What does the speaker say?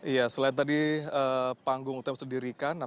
ya selain tadi panggung yang sudah dirikan